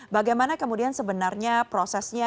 bagaimana kemudian sebenarnya prosesnya